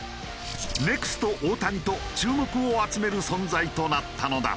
ネクスト大谷と注目を集める存在となったのだ。